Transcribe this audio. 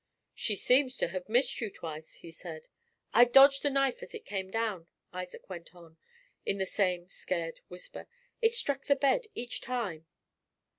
"She seems to have missed you twice," he said. "I dodged the knife as it came down," Isaac went on, in the same scared whisper. "It struck the bed each time."